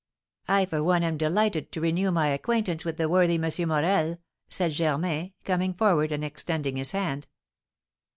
"I for one am delighted to renew my acquaintance with the worthy M. Morel," said Germain, coming forward and extending his hand.